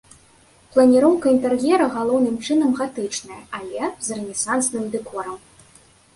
Планіроўка інтэр'ера галоўным чынам гатычная, але з рэнесансным дэкорам.